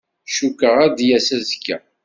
Cukkeɣ ad d-yas azekka.